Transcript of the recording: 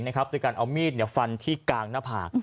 ด้วยการเอามีดฟันที่กลางหน้าผาก